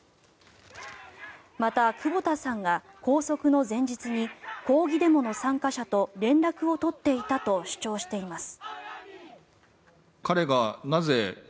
また、久保田さんが拘束の前日に抗議デモの参加者と連絡を取っていたと主張しています。